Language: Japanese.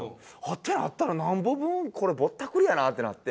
ってなったらなんぼ分これぼったくりやなってなって。